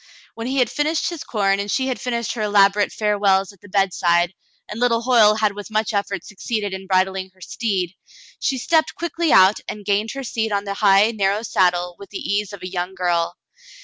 When he had finished his corn and she had finished her elaborate farewells at the bedside, and little Hoyle had with much effort succeeded in bridling her steed, she stepped quickly out and gained her seat on the high, narrow saddle with the ease of a young girl.